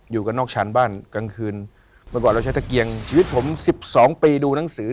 อยู่กันนอกชั้นบ้านกลางคืนเมื่อก่อนเราใช้ตะเกียงชีวิตผมสิบสองปีดูหนังสือ